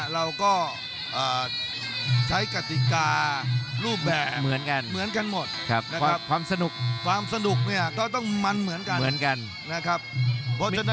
เราก็ใช้กฎิการูปแบบเหมือนกันความสนุกก็ต้องมันเหมือนกัน